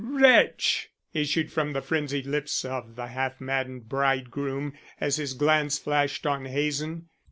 '" "Wretch!" issued from the frenzied lips of the half maddened bridegroom, as his glance flashed on Hazen.